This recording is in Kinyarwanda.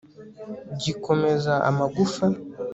gikomeza amagufa